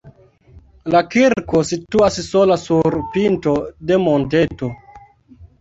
La kirko situas sola sur pinto de monteto.